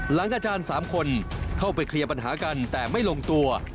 อาจารย์๓คนเข้าไปเคลียร์ปัญหากันแต่ไม่ลงตัว